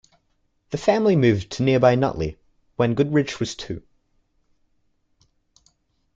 The family moved to nearby Nutley when Goodrich was two.